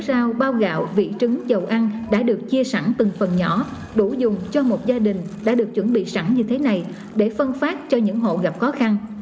sáu sao bao gạo vị trứng dầu ăn đã được chia sẵn từng phần nhỏ đủ dùng cho một gia đình đã được chuẩn bị sẵn như thế này để phân phát cho những hộ gặp khó khăn